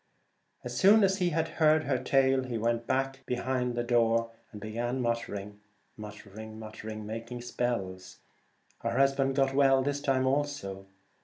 As soon as he had heard her tale, he went behind the back door and began muttering, muttering, muttering — making spells. Her husband got well this time also.